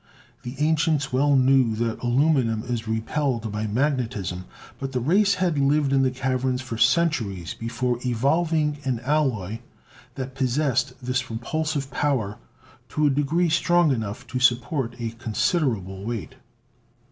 The ancients well knew that aluminum is repelled by magnetism, but the race had lived in the caverns for centuries before evolving an alloy that possessed this repulsive power to a degree strong enough to support a considerable weight.